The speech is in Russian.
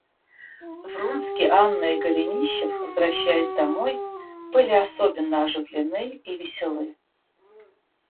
Вронский, Анна и Голенищев, возвращаясь домой, были особенно оживлены и веселы.